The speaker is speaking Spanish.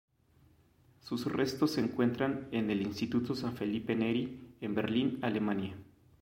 Sus restos se encuentran en el "Instituto San Felipe Neri" en Berlín, Alemania.